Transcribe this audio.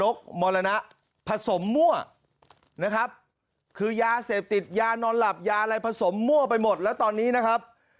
ละมุรมและผสมมั่วนะครับคือยาเสพติดยานอนหลับยาในผสมมั่วไปหมดและตอนนี้นะ